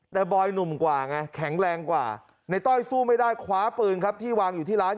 แต่บอยหนุ่มกว่าไงแข็งแรงกว่าในต้อยสู้ไม่ได้คว้าปืนครับที่วางอยู่ที่ร้าน